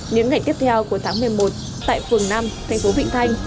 những ngày tiếp theo của tháng một mươi một tại phường năm tp vịnh thanh